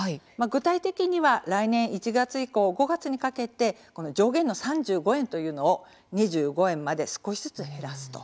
具体的には来年１月以降５月にかけてこの上限の３５円というのを２５円まで少しずつ減らすと。